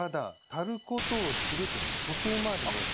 足ることを知る」とね時計回りに読む。